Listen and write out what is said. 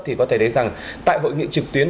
thì có thể thấy rằng tại hội nghị trực tuyến